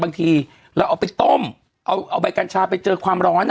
บางทีเราเอาไปต้มเอาใบกัญชาไปเจอความร้อน